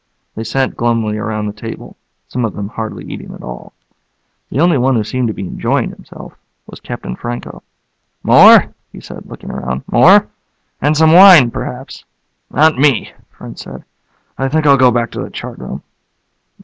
They sat glumly around the table, some of them hardly eating at all. The only one who seemed to be enjoying himself was Captain Franco. "More?" he said, looking around. "More? And some wine, perhaps." "Not me," French said. "I think I'll go back to the chart room."